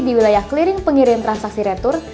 di wilayah clearing pengirim transaksi retur